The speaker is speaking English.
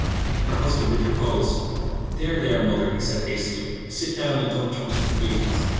Her husband interposed. "There, there, mother," he said, hastily. "Sit down, and don't jump to conclusions.